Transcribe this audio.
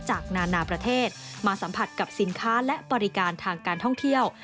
นานาประเทศมาสัมผัสกับสินค้าและบริการทางการท่องเที่ยว